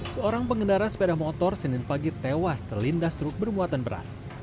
seorang pengendara sepeda motor senin pagi tewas terlindas truk bermuatan beras